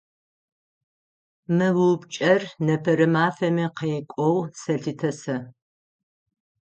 Мы упчӏэр непэрэ мафэми къекӏоу сэлъытэ сэ.